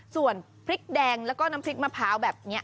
ส่วนพริกแดงแล้วก็น้ำพริกมะพร้าวแบบนี้